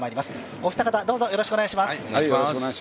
お二方、どうぞよろしくお願いします。